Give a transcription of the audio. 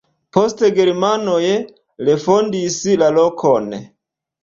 Poste germanoj refondis la lokon.